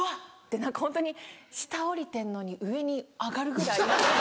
て何かホントに下降りてるのに上に上がるぐらい。